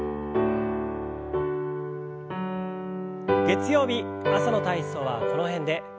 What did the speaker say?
月曜日朝の体操はこの辺で。